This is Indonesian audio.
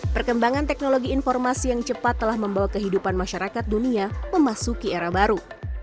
perkembangan teknologi informasi yang cepat telah membawa kehidupan masyarakat dunia memasuki era baru